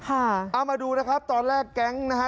อ่าอ่าอ่ามาดูนะครับตอนแรกแก๊งนะฮะ